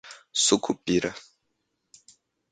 Sucupira